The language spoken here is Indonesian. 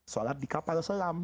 sholat di kapal selam